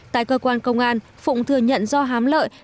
tại cơ quan công an phụng thừa nhận do hám lợi